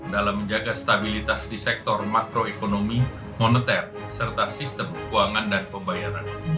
dalam menjaga stabilitas di sektor makroekonomi moneter serta sistem keuangan dan pembayaran